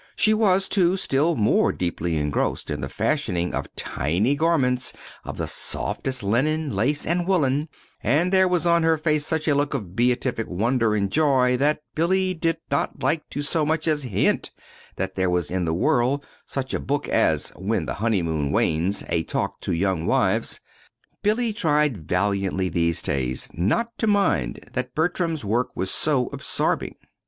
She was, too, still more deeply engrossed in the fashioning of tiny garments of the softest linen, lace, and woolen; and there was on her face such a look of beatific wonder and joy that Billy did not like to so much as hint that there was in the world such a book as "When the Honeymoon Wanes: A Talk to Young Wives." Billy tried valiantly these days not to mind that Bertram's work was so absorbing.